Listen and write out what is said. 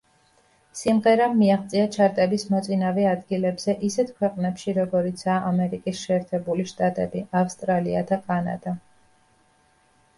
სიმღერამ მიაღწია ჩარტების მოწინავე ადგილებზე ისეთ ქვეყნებში როგორიცაა, ამერიკის შეერთებული შტატები, ავსტრალია და კანადა.